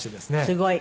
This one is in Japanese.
すごい。